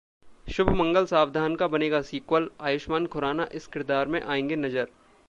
शुभ मंगल सावधान का बनेगा सीक्वल, आयुष्मान खुराना इस किरदार में आएंगे नजर